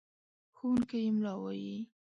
ښوونکی املا وايي.